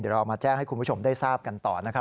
เดี๋ยวเรามาแจ้งให้คุณผู้ชมได้ทราบกันต่อนะครับ